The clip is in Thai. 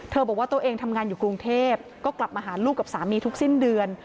บอกว่าตัวเองทำงานอยู่กรุงเทพก็กลับมาหาลูกกับสามีทุกสิ้นเดือน